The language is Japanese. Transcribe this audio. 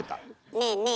ねえねえ